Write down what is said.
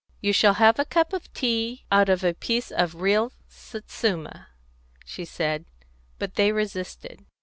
"You shall have a cup of tea out of a piece of real Satsuma," she said; but they resisted.